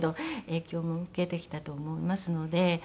影響も受けてきたと思いますので。